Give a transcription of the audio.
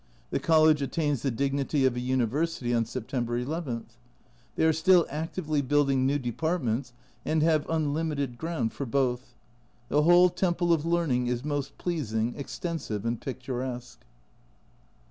The College attains the dignity of a University on September n. They are still actively building new departments and have unlimited ground for more ; the whole temple of learning is most pleasing, extensive, and picturesque.